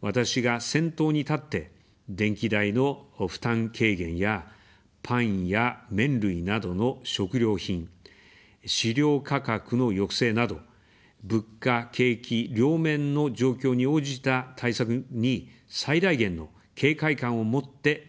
私が先頭に立って、電気代の負担軽減やパンや麺類などの食料品、飼料価格の抑制など、物価、景気両面の状況に応じた対策に最大限の警戒感を持って取り組んでいます。